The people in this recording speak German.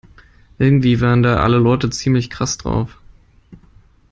Irgendwie waren da alle Leute ziemlich krass drauf.